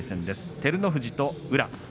照ノ富士と宇良です。